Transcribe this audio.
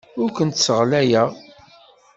Ur kent-sseɣlayeɣ.